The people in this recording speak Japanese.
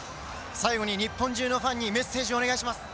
最後に日本中のファンにメッセージをお願いします。